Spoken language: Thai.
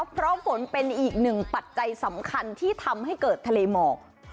เพราะฝนเป็นอีกหนึ่งปัจจัยสำคัญที่ทำให้เกิดทะเลหมอก